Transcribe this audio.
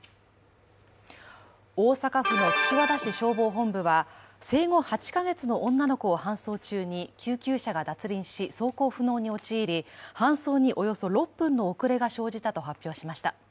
大阪府の岸和田市消防本部は、生後８か月の女の子を搬送中に救急車が脱輪し走行不能に陥り、搬送におよそ６分の遅れが生じたと発表しました。